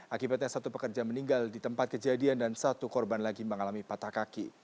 akibatnya satu pekerja meninggal di tempat kejadian dan satu korban lagi mengalami patah kaki